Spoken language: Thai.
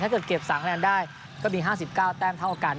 ถ้าเกิดเก็บ๓คะแนนได้ก็มี๕๙แต้งเท่ากัน